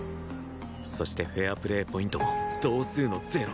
そしてフェアプレーポイントも同数の０